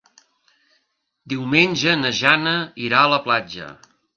Diumenge na Jana irà a la platja.